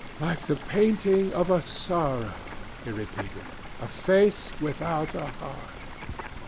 "'Like the painting of a sorrow,'" he repeated, "'a face without a heart.